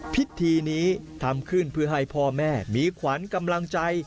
พิธีนี้ทำขึ้นเพื่อให้พ่อแม่มีขวัญกำลังใจ